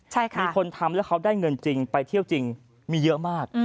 ใช่ค่ะมีคนทำแล้วเขาได้เงินจริงไปเที่ยวจริงมีเยอะมาก